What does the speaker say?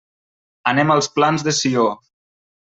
Anem als Plans de Sió.